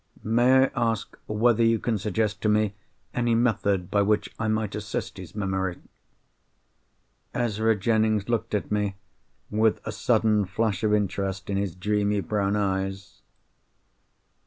May I ask whether you can suggest to me any method by which I might assist his memory?" Ezra Jennings looked at me, with a sudden flash of interest in his dreamy brown eyes.